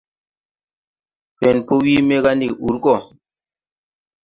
Fẽn po wii me gá ndi ur gɔ.